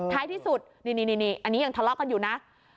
ท้ายที่สุดนี่อันนี้ยังทะเลาะกันอยู่นะ